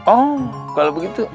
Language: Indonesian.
oh kalau begitu